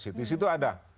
di situ ada